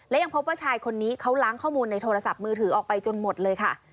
และยังพบว่าชายคนนี้เขาล้างข้อมูลในโทรศัพท์มือถือออกไปจนหมดเลยค่ะ